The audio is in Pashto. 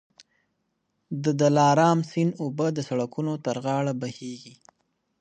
د دلارام سیند اوبه د سړکونو تر غاړه بهېږي.